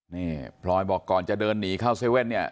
นี่พลอยบอกก่อนจะเดินหนีเข้าเว่นเนี่ย